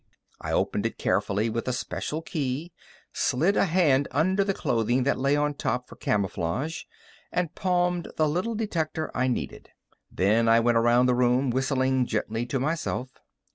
I opened it carefully with the special key, slid a hand under the clothing that lay on top for camouflage, and palmed the little detector I needed. Then I went around the room, whistling gently to myself.